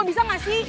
bisa gak sih